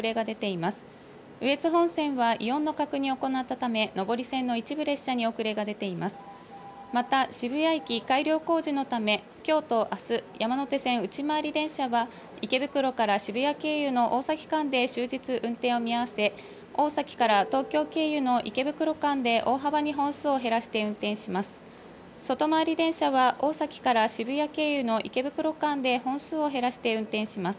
また渋谷駅改良工事のため、きょうとあす、山手線内回り電車は、池袋から渋谷経由の大崎間で終日、運転を見合わせ、大崎から東京経由の池袋間で、大幅に本数を減らして運転します。